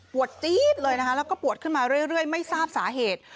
จี๊ดเลยนะคะแล้วก็ปวดขึ้นมาเรื่อยไม่ทราบสาเหตุ